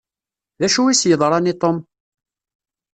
D acu i s-yeḍṛan i Tom?